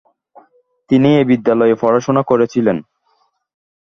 তিনি এই বিদ্যালয়ে পড়াশোনা করেছিলেন।